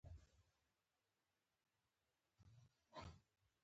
د افغانستان ژبي د تاریخ ښکارندوی دي.